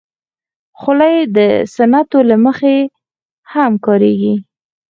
خولۍ د سنتو له مخې هم کارېږي.